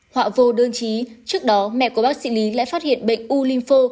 họa vô đơn trí trước đó mẹ của bác sĩ lý lại phát hiện bệnh u linfo